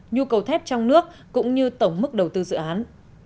nhu cầu thép trong nước cũng như tổng mức đầu tư dự án